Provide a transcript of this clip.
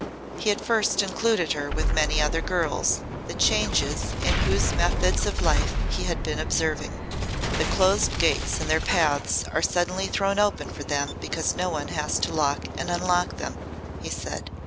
He at first included her with many other girls, the changes in whose methods of life he had been observing. "The closed gates in their paths are suddenly thrown open for them because no one has to lock and unlock them," he said.